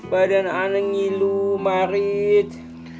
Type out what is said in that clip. badan anak ngilu marit